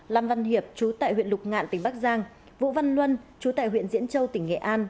lam văn hiệp chú tại huyện lục ngạn tỉnh bắc giang vũ văn luân chú tại huyện diễn châu tỉnh nghệ an